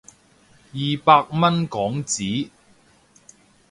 二百蚊港紙